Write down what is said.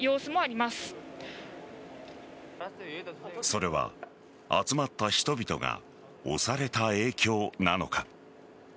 それは、集まった人々が押された影響なのか。